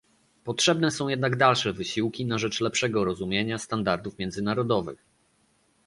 Potrzebne są jednak dalsze wysiłki na rzecz lepszego rozumienia standardów międzynarodowych